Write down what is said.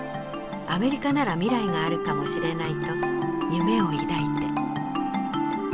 アメリカなら未来があるかもしれない」と夢を抱いて。